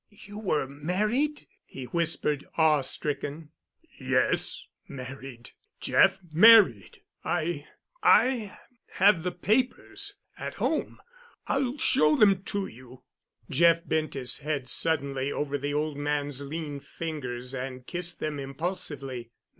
"You were married?" he whispered, awe stricken. "Yes, married, Jeff—married—I—I have the papers—at home—I'll show them to you——" Jeff bent his head suddenly over the old man's lean fingers and kissed them impulsively.